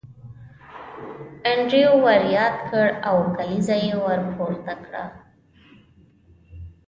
انډریو ور یاد کړ او کلیزه یې پورته کړه